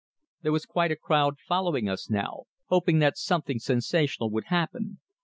There was quite a crowd following us now, hoping that something sensational would happen.